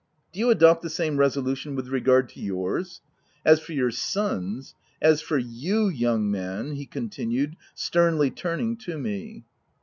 Do you adopt the same reso lution with regard to yours !— As for your sons — as for you, young man," he continued, sternly turning to me.